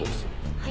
はい。